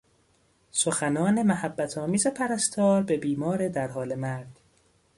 سخنان محبت آمیز پرستار به بیمار در حال مرگ